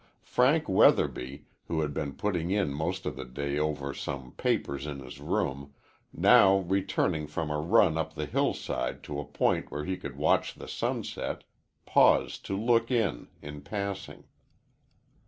Frank Weatherby, who had been putting in most of the day over some papers in his room, now returning from a run up the hillside to a point where he could watch the sunset, paused to look in, in passing.